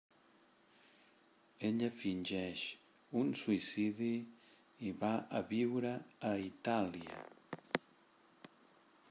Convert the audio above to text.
Ella fingeix un suïcidi i va a viure a Itàlia.